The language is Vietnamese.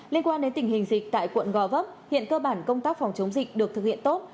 liên quan đến tình hình dịch tại quận gò vấp hiện cơ bản công tác phòng chống dịch được thực hiện tốt